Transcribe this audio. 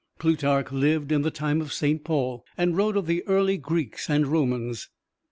Plutarch lived in the time of Saint Paul, and wrote of the early Greeks and Romans.